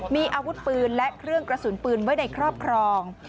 มีอาวุธปืนและเครื่องกระสุนปืนไว้ในครอบครอง